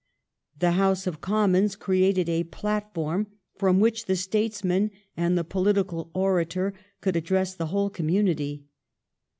The House of Commons created a platform from which the statesman and the political orator could address the whole community.